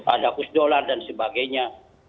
ada husice dollar dan sebagainya